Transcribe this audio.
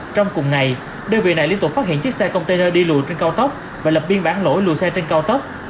trong cùng ngày đơn vị này liên tục phát hiện chiếc xe container đi lùi trên cao tốc và lập biên bản lỗi lùi xe trên cao tốc